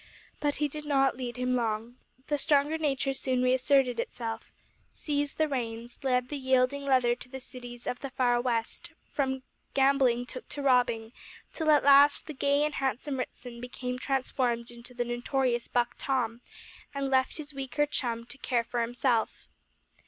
But he did not lead him long. The stronger nature soon re asserted itself; seized the reins; led the yielding Leather to the cities of the far west; from gambling took to robbing, till at last the gay and handsome Ritson became transformed into the notorious Buck Tom, and left his weaker chum to care for himself.